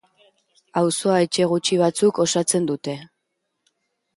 Auzoa etxe gutxi batzuk osatzen dute.